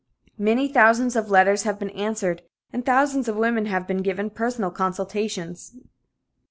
Many thousands of letters have been answered and thousands of women have been given personal consultations.